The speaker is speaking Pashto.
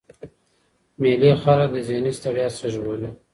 مېلې خلک له ذهني ستړیا څخه ژغوري.